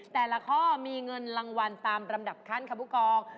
แต่ละข้อมีเงินรางวัลตามลำดับขั้นค่ะผู้กอง